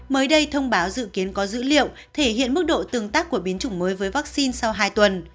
mới đây thông báo dự kiến có dữ liệu thể hiện mức độ tương tác của biến chủng mới với vaccine sau hai tuần